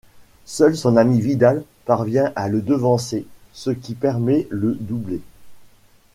Seul son ami Vidal parvient à le devancer ce qui permet le doublé.